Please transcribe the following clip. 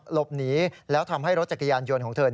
หลบหนีแล้วทำให้รถจักรยานยนต์ของเธอ